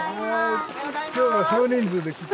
今日は少人数で来た？